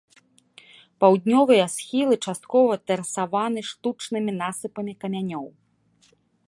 Паўднёвыя схілы часткова тэрасаваны штучнымі насыпамі камянёў.